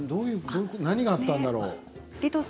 何があったんだろう。